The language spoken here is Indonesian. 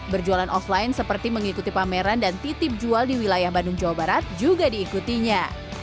berjualan offline seperti mengikuti pameran dan titip jual di wilayah bandung jawa barat juga diikutinya